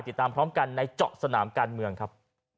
ติดตามพร้อมกันในเจาะสนามการเมืองครับ